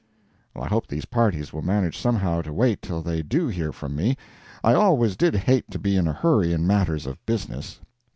I hope these parties will manage somehow to wait till they do hear from me. I always did hate to be in a hurry in matters of business.